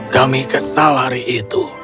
kami kesal hari itu